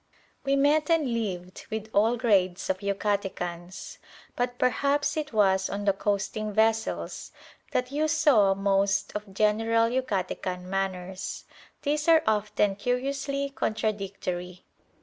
We met and lived with all grades of Yucatecans; but perhaps it was on the coasting vessels that you saw most of general Yucatecan manners. These are often curiously contradictory.